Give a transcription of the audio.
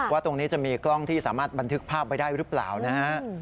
ว่าตรงนี้จะมีกล้องที่สามารถบันทึกภาพไว้ได้หรือเปล่านะฮะ